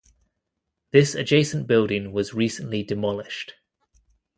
This adjacent building was recently demolished.